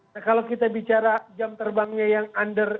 nah kalau kita bicara jam terbangnya yang under